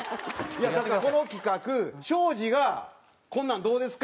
いやこの企画庄司がこんなんどうですか？